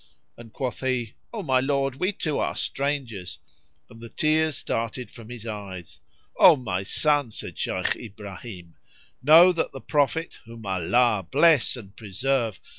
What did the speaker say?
and quoth he, "O my lord, we two are strangers," and the tears started from his eyes. "O my son," said Shaykh Ibrahim, "know that the Prophet (whom Allah bless and preserve!)